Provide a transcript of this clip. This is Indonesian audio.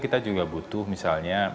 kita juga butuh misalnya